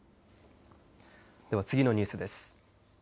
では次のニュースです。